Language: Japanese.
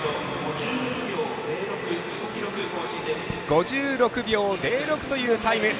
５６秒０６というタイム。